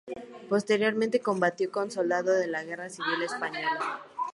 Posteriormente combatió como soldado en la Guerra Civil Española.